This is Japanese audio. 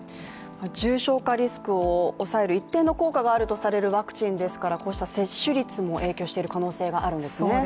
重症化リスクを抑える一定の効果があるといわれているワクチンですからこうした接種率も影響している可能性があるんですね。